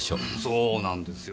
そうなんですよ